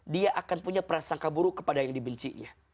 dia akan punya perasaan kabur kepada yang dibencinya